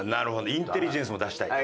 インテリジェンスも出したいと。